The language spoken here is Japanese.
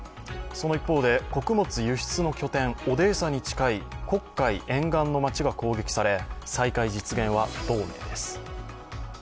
その一方で穀物輸出の拠点オデーサに近い黒海沿岸の町が攻撃され、再開実現は不透明です。